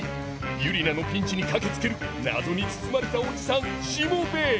ユリナのピンチに駆けつける謎に包まれたおじさんしもべえ。